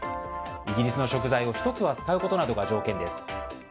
イギリスの食材を１つは使うことなどが条件です。